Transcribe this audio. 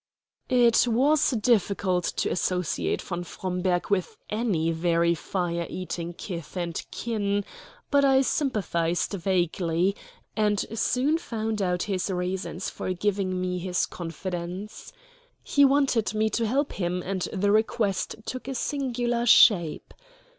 It was difficult to associate von Fromberg with any very fire eating kith and kin, but I sympathized vaguely, and soon found out his reasons for giving me his confidence. He wanted me to help him, and the request took a singular shape.